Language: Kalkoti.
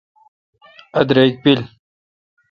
ا دریک پیل۔